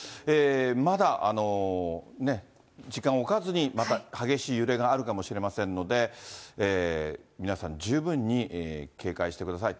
まだ時間置かずに、また激しい揺れがあるかもしれませんので、皆さん、十分に警戒してください。